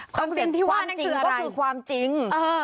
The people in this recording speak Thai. ความจริงที่ว่านั่งคืออะไรความจริงก็คือความจริง